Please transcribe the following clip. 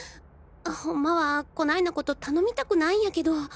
ホンマはこないなコト頼みたくないんやけど。